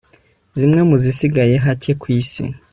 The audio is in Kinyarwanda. zimwe muzi sigaye hake ku isi